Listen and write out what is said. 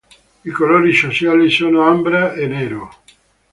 I colori sociali sono ambra e nero.